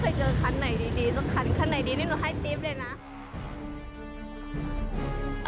ปล่อยไหมครับเจอปล่อยไหม